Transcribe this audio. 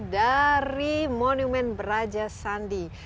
dari monumen beraja sandi